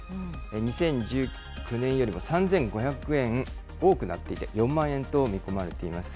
２０１９年よりも３５００円多くなっていて、４万円と見込まれています。